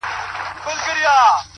زموږ د پلار او دنیکه په مقبره کي،